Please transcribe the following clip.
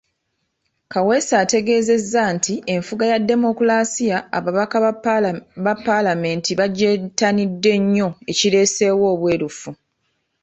Kaweesa agasseeko nti enfuga ya demokulaasiya ababaka ba Paalamenti bagyettanidde nnyo ekireeseewo obwerufu.